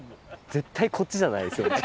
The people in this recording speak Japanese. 絶対こっちじゃないですよね。